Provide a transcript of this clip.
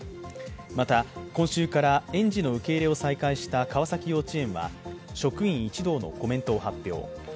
また、今週から園児の受け入れを再開した川崎幼稚園は、職員一同のコメントを発表。